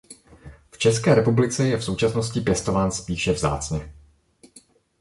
V České republice je v současnosti pěstován spíše vzácně.